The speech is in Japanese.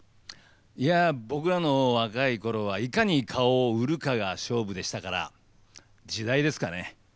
いやあ僕らの若いころはいかに顔を売るかが勝負でしたから時代ですかね。